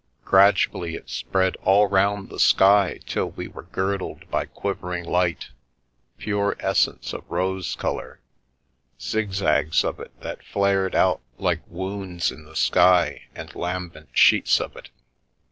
Gradually it spread all round the The Milky Way sky till we were girdled by quivering light, pure essence of rose colour, zig zags of it that flared out like wounds in the sky and lambent sheets of it.